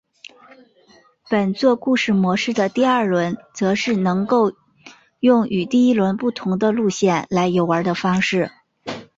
本作故事模式的第二轮则是能够用与第一轮不同的路线来游玩的方式。